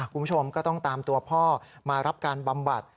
คุณผู้ชมก็ต้องตามตัวพ่อมารับการบำบัด